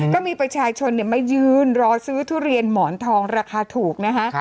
ก็มีประชาชนมายืนรอซื้อทุเรียนหมอนทองราคาถูกนะคะ